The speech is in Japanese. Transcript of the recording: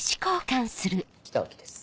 北脇です。